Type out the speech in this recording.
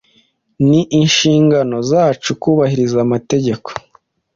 Ni inshingano zacu kubahiriza amategeko.